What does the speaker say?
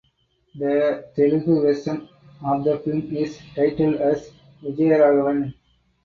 The Telugu version of the film is titled as "Vijaya Raghavan".